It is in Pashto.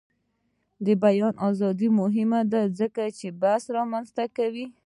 د بیان ازادي مهمه ده ځکه چې بحث رامنځته کوي.